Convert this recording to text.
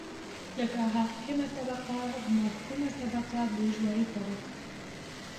لکه حاکمه طبقه ،محکومه طبقه بوژوايي طبقه